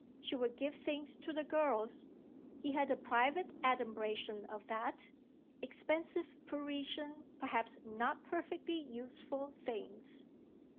She would give things to the girls he had a private adumbration of that; expensive Parisian, perhaps not perfectly useful, things.